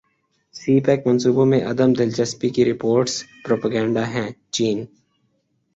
سی pack منصوبوں میں عدم دلچسپی کی رپورٹس پروپیگنڈا ہیں چین